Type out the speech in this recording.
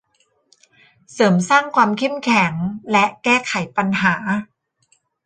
เสริมสร้างความเข้มแข็งและแก้ไขปัญหา